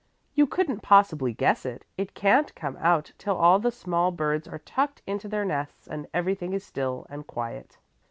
"You couldn't possibly guess it. It can't come out till all the small birds are tucked into their nests and everything is still and quiet."